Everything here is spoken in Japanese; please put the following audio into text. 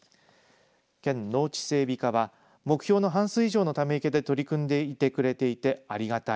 県農地整備課は目標の半数以上のため池で取り組んでくれていてありがたい。